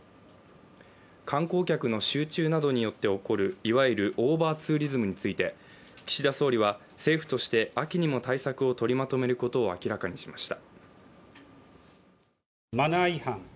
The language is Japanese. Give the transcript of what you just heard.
観光客の集中などによって起こるいわゆるオーバーツーリズムについて岸田総理は政府として秋にも対策を取りまとめることを明らかにしました。